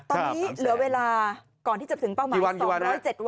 ตอนนี้เหลือเวลาก่อนที่จะถึงเป้าหมาย๒๐๗วัน